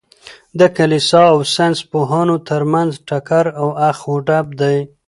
د کلیسا او ساینس پوهانو تر منځ ټکر او اخ و ډب دئ.